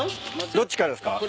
どっちからですか？